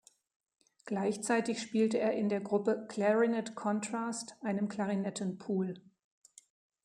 Gleichzeitig spielte er in der Gruppe "Clarinet Contrast," einem Klarinetten-Pool.